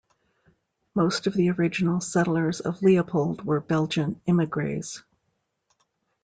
Most of the original settlers of Leopold were Belgian emigres.